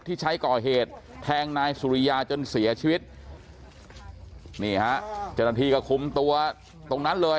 ที่ใช้ก่อเหตุแทงนายสุริยาจนเสียชีวิตนี่ฮะเจ้าหน้าที่ก็คุมตัวตรงนั้นเลย